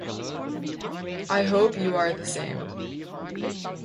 I hope you are the same.